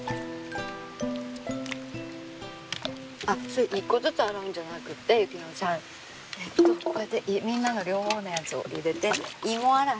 あっそれ一個ずつ洗うんじゃなくて雪乃ちゃんえっとこうやってみんなの両方のやつを入れて芋洗い。